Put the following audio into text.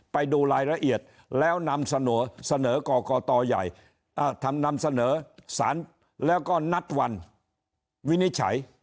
ไปดูรายละเอียดแล้วนำเสนอเสนอกกตใหญ่ทำนำเสนอสารแล้วก็นัดวันวินิจฉัย